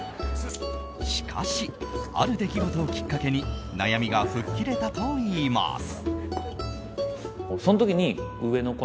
しかし、ある出来事をきっかけに悩みが吹っ切れたといいます。